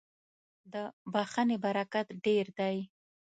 • د بښنې برکت ډېر دی.